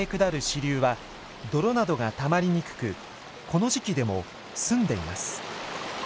支流は泥などがたまりにくくこの時期でも澄んでいます。